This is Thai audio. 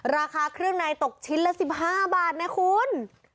ราคาเครื่องในตกชิ้นละ๑๕บาทนะคุณ